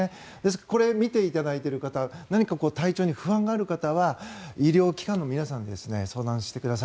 これを見ていただいている方何か体調に不安がある方は医療機関の皆さんに相談してください。